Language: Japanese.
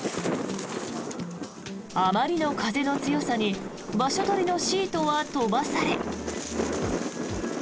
あまりの風の強さに場所取りのシートは飛ばされ。